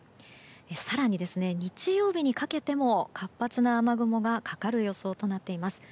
更に、日曜日にかけても活発な雨雲がかかる予想となっています。